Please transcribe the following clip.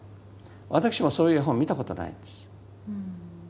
私もそういう絵本見たことないんです。